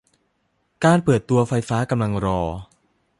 การเปิดตัวไฟฟ้ากำลังรอ